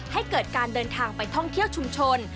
ให้เกิดการเดินทางไปท่องเที่ยวชุมชน